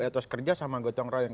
etos kerja sama gotong royong